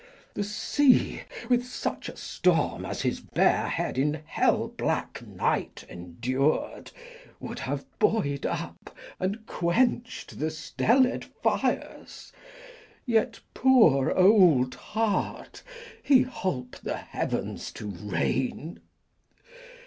The sea, with such a storm as his bare head In hell black night endur'd, would have buoy'd up And quench'd the steeled fires. Yet, poor old heart, he holp the heavens to rain.